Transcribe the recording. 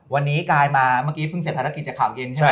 วันนี้กลายมาเมื่อกี้เพิ่งเสร็จภารกิจจากข่าวเย็นใช่ไหม